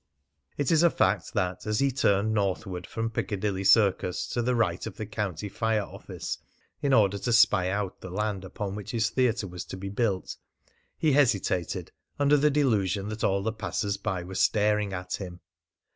It is a fact that as he turned northward from Piccadilly Circus, to the right of the County Fire Office, in order to spy out the land upon which his theatre was to be built, he hesitated, under the delusion that all the passers by were staring at him!